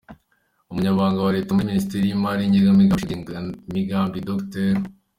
Umunyamabanga wa Leta muri Minisiteri y’Imari n’Igenamigambi ushinzwe igenamigambi, Dr.